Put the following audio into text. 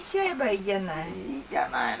いいじゃないの。